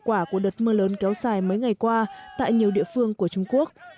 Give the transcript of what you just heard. hậu quả của đợt mưa lớn kéo dài mấy ngày qua tại nhiều địa phương của trung quốc